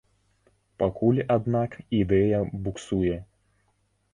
Пакуль, аднак, ідэя буксуе.